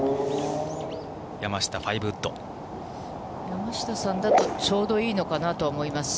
山下、山下さんだと、ちょうどいいのかなと思います。